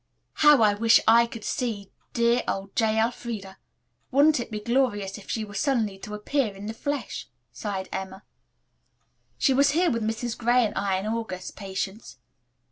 "How I wish 'I could see' dear old J. Elfreda. Wouldn't it be glorious if she were suddenly to appear in the flesh," sighed Emma. "She was here with Mrs. Gray and I in August, Patience."